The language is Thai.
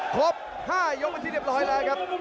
ครบ๕ยกเป็นที่เรียบร้อยแล้วครับ